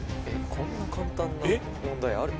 こんな簡単な問題ある？